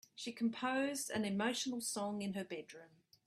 She composed an emotional song in her bedroom.